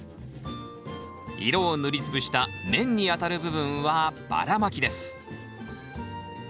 色を塗りつぶした面に当たる部分はばらまきです。